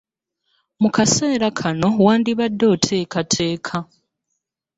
Mu kaseera kano wandibadde oteekateeka.